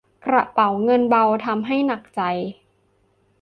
กระเป๋าเงินเบาทำให้หนักใจ